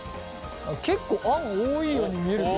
結構あん多いように見えるけどね。